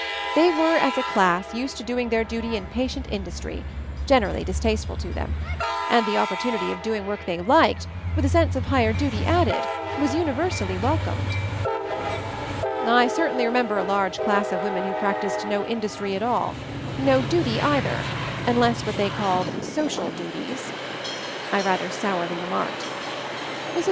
/^'They were, as a class, used to doing their /duty in patient industry, generally distaste 1 ful to them; and the opportunity of doing work they liked — with a sense of higher duty added — was universally welcomed/' "I certainly remember a large class of women who practiced no industry at all — no duty, either, unless what they called 'so cial duties/ " I rather sourly remarked. Mrs.